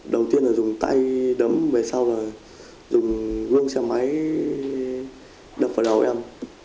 đầu tiên là dùng tay đấm về sau là dùng gương xe máy đập vào đầu em